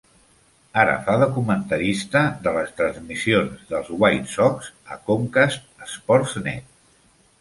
Ara fa de comentarista de les transmissions dels White Sox a Comcast SportsNet.